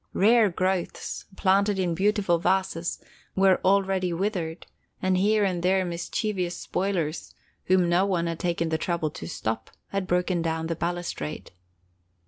Rare growths, planted in beautiful vases, were already withered and here and there mischievous spoilers, whom no one had taken the trouble to stop, had broken down the balustrade.